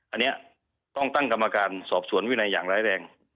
อันนี้ต้องตั้งกรรมการสอบสวนวินัยอย่างร้ายแรง